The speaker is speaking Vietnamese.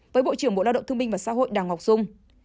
với bộ trưởng bộ lao động thương minh và xã hội đào ngọc dung